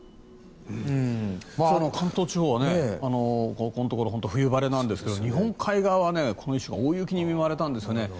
関東地方はここのところ冬晴れなんですが日本海側は今週大雪に見舞われたんですね。